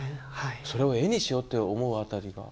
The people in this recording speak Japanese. それを絵にしようと思うあたりが。